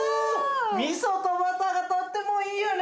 みそとバターがとってもいいよね！